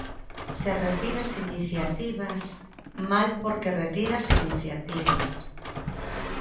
Se retiras iniciativas, ¡mal, porque retiras iniciativas!